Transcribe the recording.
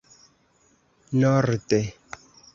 norde